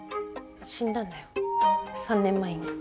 死んだんだよ３年前に。